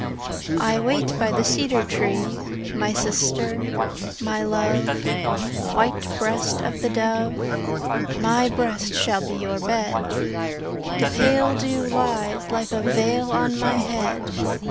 I wait by the cedar tree, My sister, my love, White breast of the dove, My breast shall be your bed. The pale dew lies Like a veil on my head.